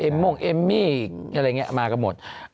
มงเอมมี่อะไรอย่างนี้มากันหมด